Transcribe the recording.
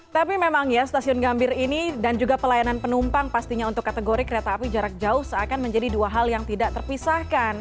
tapi memang ya stasiun gambir ini dan juga pelayanan penumpang pastinya untuk kategori kereta api jarak jauh seakan menjadi dua hal yang tidak terpisahkan